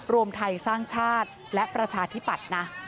รวมไทยสร้างชาติและประชาธิปัตย์นะ